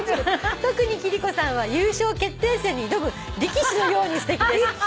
「特に貴理子さんは優勝決定戦に挑む力士のようにすてきです。